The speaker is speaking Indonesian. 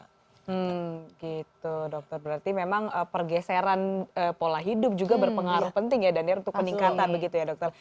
hmm gitu dokter berarti memang pergeseran pola hidup juga berpengaruh penting ya danir untuk peningkatan begitu ya dokter